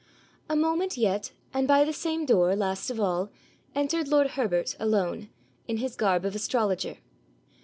A moment yet, and by the same door, last of all, entered lord Herbert, alone, in his garb of astrologer.